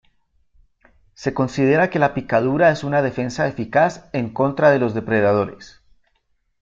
Se considera que la picadura es una defensa eficaz en contra de los depredadores.